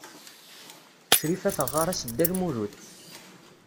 Crifa teɣɣar-as Dda Lmulud.